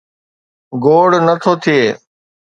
گوڙ نه ٿو ٿئي.